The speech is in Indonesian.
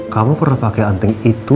kamu pernah pakai anting itu